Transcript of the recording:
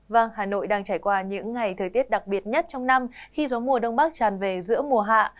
vâng hà nội đang trải qua những ngày thời tiết đặc biệt nhất trong năm khi gió mùa đông bắc tràn về giữa mùa hạ